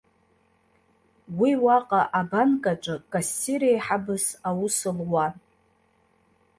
Уи уаҟа, абанкаҿы кассир еиҳабыс аус луан.